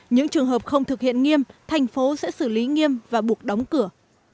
những trường hợp không thực hiện nghiêm thành phố sẽ xử lý nghiêm và buộc đóng cửa